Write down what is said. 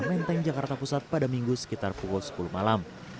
menteng jakarta pusat pada minggu sekitar pukul sepuluh malam